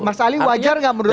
mas ali wajar nggak menurut anda